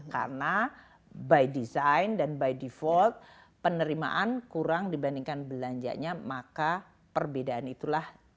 karena by design dan by default penerimaan kurang dibandingkan belanjanya maka perbedaan itulah